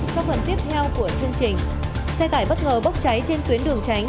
trong phần tiếp theo của chương trình xe tải bất ngờ bốc cháy trên tuyến đường tránh